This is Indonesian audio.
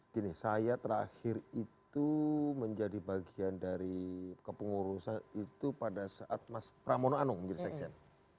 gini saya terakhir itu menjadi bagian dari kepengurusan itu pada saat mas pramono anung menjadi sekjen